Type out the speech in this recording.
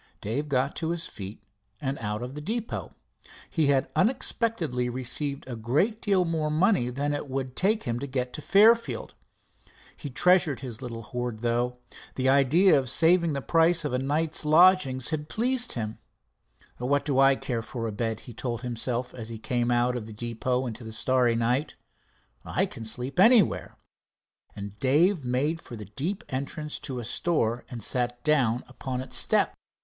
Dave got to his feet and out of the depot. He had unexpectedly received a great deal more money than it would take to get him to Fairfield. He treasured his little hoard, though. The idea of saving the price of a night's lodging had pleased him. "What do I care for a bed," he told himself as he came out of the depot into the starry night. "I can sleep anywhere," and Dave made for the deep entrance to a store and sat down upon its step.